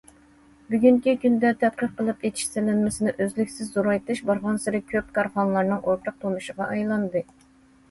بۈگۈنكى كۈندە، تەتقىق قىلىپ ئېچىش سېلىنمىسىنى ئۈزلۈكسىز زورايتىش بارغانسېرى كۆپ كارخانىلارنىڭ ئورتاق تونۇشىغا ئايلاندى.